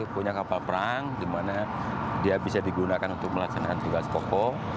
ya kembali punya kapal perang dimana dia bisa digunakan untuk melaksanakan tugas pokok